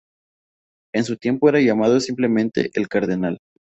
En su tiempo era llamado simplemente "El Cardenal".